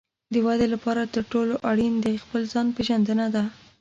د ودې لپاره تر ټولو اړین د خپل ځان پېژندنه ده.